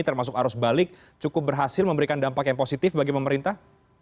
termasuk arus balik cukup berhasil memberikan dampak yang positif bagi pemerintah